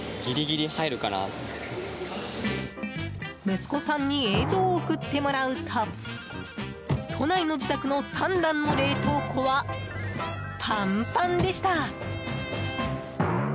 息子さんに映像を送ってもらうと都内の自宅の３段の冷凍庫はパンパンでした。